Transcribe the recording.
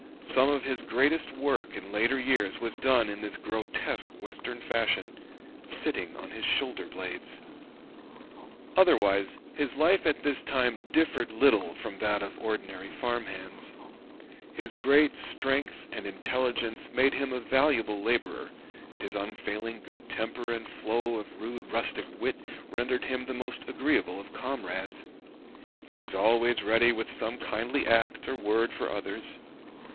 Some of his greatest work in later years was done in this grotesque Western fashion, "sitting on his shoulder blades." [Sidenote: W. H. Lamou "Life of Lincoln," p. 37.] [Sidenote: Damon, p. 80.] Otherwise his life at this time differed little from that of ordinary farm hands. His great strength and intelligence made him a valuable laborer, and his unfailing good temper and flow of rude rustic wit rendered him the most agreeable of comrades. He was always ready with some kindly act or word for others.